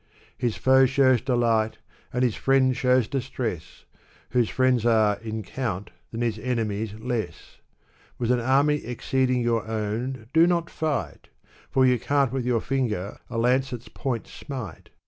His foe shows delight, and his friend shows distress. Whose friends are, in count, than his enemies less. With an army exceeding your own, do not fight ! For you can't with your finger a lancet's point smite.